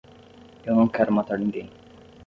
Eu não quero matar ninguém.